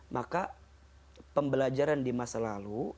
maka pembelajaran di masa lalu